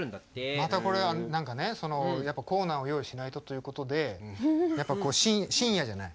またこれ何かねコーナーを用意しないとという事でやっぱ深夜じゃない。